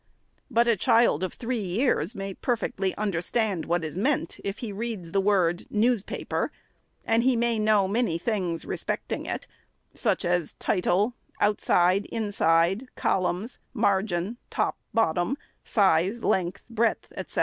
But a child of three years may per fectly understand what is meant, if he reads the word newspaper, and he may know many things respecting it, such as title, outside, inside, columns, margin, top, bottom, size, length, breadth, fy c.